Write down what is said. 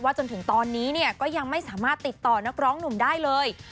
จนถึงตอนนี้เนี่ยก็ยังไม่สามารถติดต่อนักร้องหนุ่มได้เลย